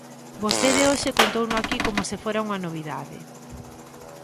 Vostede hoxe contouno aquí como se fora unha novidade.